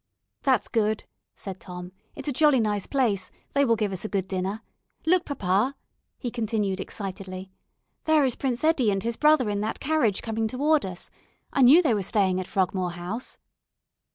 "That's good," said Tom. "It's a jolly nice place; they will give us a good dinner. Look, papa," he continued, excitedly, "there is Prince Eddie and his brother in that carriage coming toward us. I knew they were staying at 'Frogmore House.'"